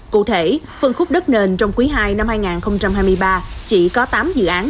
cụ thể phân khúc đất nền trong quý ii năm hai nghìn hai mươi ba chỉ có tám dự án